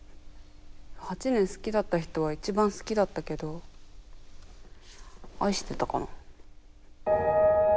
８年好きだった人は一番好きだったけど愛してたかな？